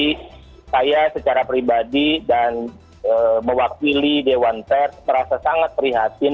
jadi saya secara pribadi dan mewakili dewan pers merasa sangat prihatin